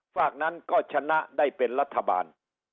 ฝากนั้นก็ชนะได้เป็นรัฐบาล